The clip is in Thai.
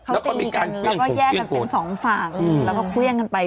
เขาจะมีการแล้วก็แยกกันเป็นสองฝั่งแล้วก็เครื่องกันไป